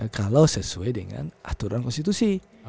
kalau sesuai dengan aturan konstitusi